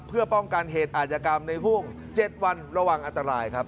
เพื่อป้องกันเหตุอาจกรรมในห่วง๗วันระวังอันตรายครับ